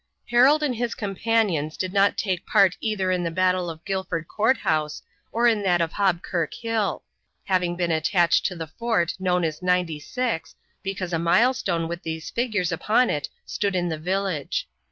Harold and his companions did not take part either in the battle of Guilford Court House or in that of Hobkirk Hill, having been attached to the fort known as Ninety six, because a milestone with these figures upon it stood in the village.